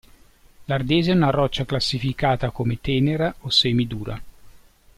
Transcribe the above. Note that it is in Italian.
L'ardesia è una roccia classificata come tenera o semi-dura.